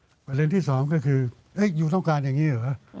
เวลาเล่นที่สองก็คือเอ๊ะอยู่ต้องการอย่างนี้เหรอ